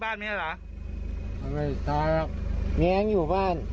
ใครลูกชายแจ้งตำรวจและกู้ภัย